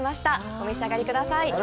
お召し上がりください。